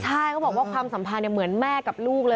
ใช่เขาบอกว่าความสัมพันธ์เหมือนแม่กับลูกเลย